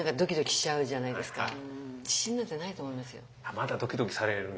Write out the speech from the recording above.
まだドキドキされるんですか。